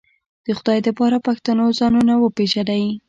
د خدای د پاره پښتنو ځانونه وپېژنئ